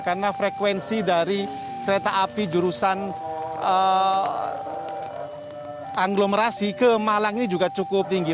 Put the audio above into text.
karena frekuensi dari kereta api jurusan agglomerasi ke malang ini juga cukup tinggi